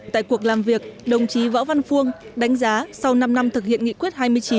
tại cuộc làm việc đồng chí võ văn phuông đánh giá sau năm năm thực hiện nghị quyết hai mươi chín